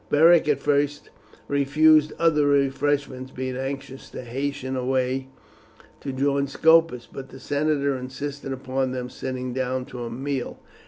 Beric at first refused other refreshment, being anxious to hasten away to join Scopus, but the senator insisted upon their sitting down to a meal.